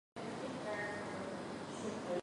He'õ la y